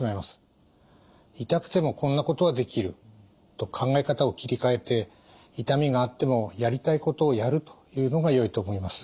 「痛くてもこんなことはできる」と考え方を切り替えて痛みがあってもやりたいことをやるというのがよいと思います。